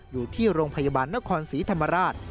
อยู่ที่โรงพยาบาลนครศรีธรรมราช